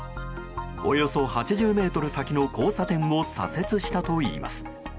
およそ８０ｍ先の交差点を左折したといいます。